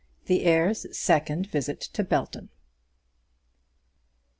THE HEIR'S SECOND VISIT TO BELTON.